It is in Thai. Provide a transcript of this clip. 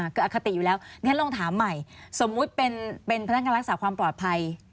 งั้นต้องถามใหม่สมมติเป็นพนักการรักษาความปลอดภัย